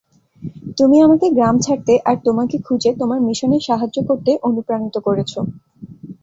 তুমি আমাকে গ্রাম ছাড়তে আর তোমাকে খুঁজে তোমার মিশনে সাহায্য করতে অনুপ্রাণিত করেছো।